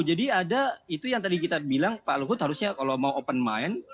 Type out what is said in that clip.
jadi ada itu yang tadi kita bilang pak luhut harusnya kalau mau open mind